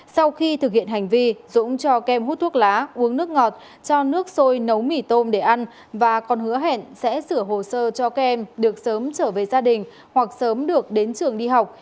sau khi thực hiện hành vi dũng cho kem hút thuốc lá uống nước ngọt cho nước sôi nấu mì tôm để ăn và còn hứa hẹn sẽ sửa hồ sơ cho các em được sớm trở về gia đình hoặc sớm được đến trường đi học